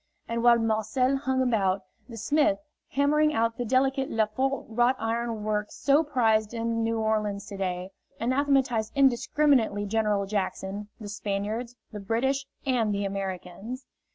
And while Marcel hung about, the smith, hammering out the delicate Lefort wrought iron work so prized in New Orleans to day, anathematized indiscriminately General Jackson, the Spaniards, the British and the Americans.